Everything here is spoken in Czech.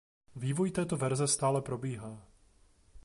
Vývoj této verze stále probíhá.